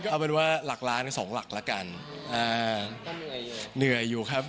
เอาเป็นว่าหลักล้านสองหลักแล้วกันอ่าเหนื่อยเหนื่อยอยู่ครับ